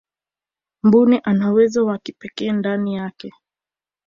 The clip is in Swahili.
mbuni ana uwezo wa kipekee ndani yake